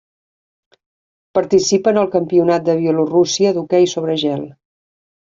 Participa en el Campionat de Bielorússia d'hoquei sobre gel.